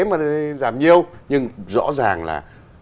mà giảm nhiều nhưng rõ ràng là